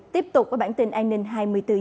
tiếp tục với bản tin an ninh hai mươi bốn h